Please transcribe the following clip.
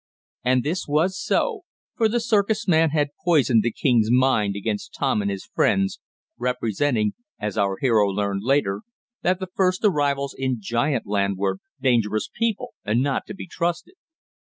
And this was so, for the circus man had poisoned the king's mind against Tom and his friends, representing (as our hero learned later) that the first arrivals in giant land were dangerous people, and not to be trusted.